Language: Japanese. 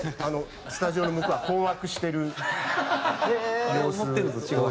スタジオの向こうは困惑してる様子。